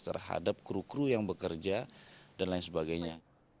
terhadap kru kru yang bekerja dan lain sebagainya